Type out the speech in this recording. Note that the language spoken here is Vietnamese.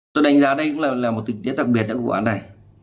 tôi đánh giá đây cũng là một tình tiết đặc biệt của vụ án này